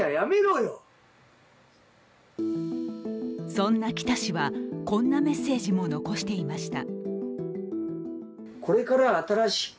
そんな北氏は、こんなメッセージも残していました。